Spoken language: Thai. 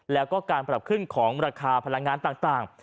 แล้วก็การปรับขึ้นของราคาพลังงานต่าง